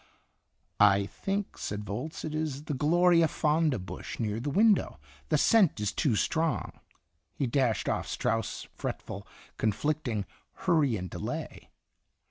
"I think," said Volz, "it is the gloria fonda bush near the window; the scent is too strong." He dashed off Strauss' fretful, con flicting "Hurry and Delay."